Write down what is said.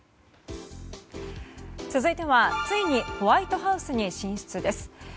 続いては、ついにホワイトハウスに進出です。